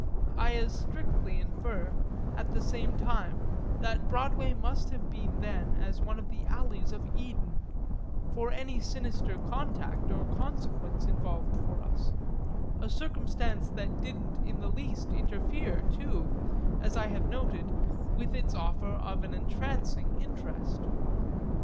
I as strictly infer, at the same time, that Broadway must have been then as one of the alleys of Eden, for any sinister contact or consequence involved for us; a circumstance that didn't in the least interfere, too, as I have noted, with its offer of an entrancing interest.